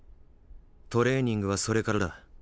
トレーニングはそれからだ。